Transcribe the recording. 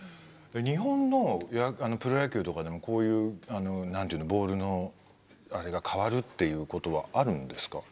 日本のプロ野球とかでもこういう何て言うのボールのあれが変わるっていうことはあるんですか？